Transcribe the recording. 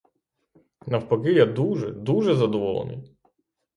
Навпаки, — я дуже, дуже задоволений.